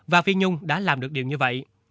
và phi nhung đã làm được điều như vậy